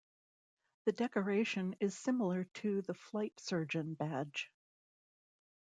The decoration is similar to the Flight Surgeon Badge.